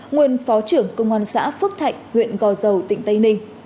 nguyên phó trưởng công an xã phước thạnh huyện gò dầu tỉnh tây ninh